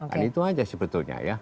dan itu aja sebetulnya ya